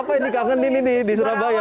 apa yang dikangenin ini nih di surabaya